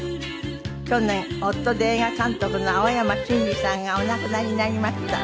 去年夫で映画監督の青山真治さんがお亡くなりになりました。